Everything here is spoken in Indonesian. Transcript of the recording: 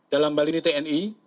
dalam bali ini tni